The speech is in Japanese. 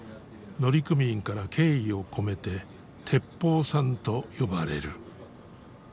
乗組員から敬意を込めててっぽうさんと呼ばれる。